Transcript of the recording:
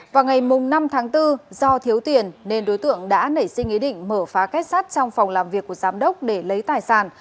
vào ngày năm tháng bốn do thiếu tiền nên đối tượng đã nảy sinh ý định mở phá kết sát trong phòng làm việc của giám đốc để lấy tài sản